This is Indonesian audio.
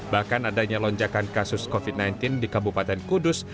bahkan adanya lonjakan kasus covid sembilan belas di kabupaten kudus